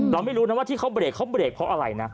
เราไม่รู้นะว่าที่เขาเบรกเขาเบรกเพราะอะไรนะ